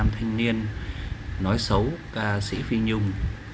thành niên nói xấu ca sĩ phi nhung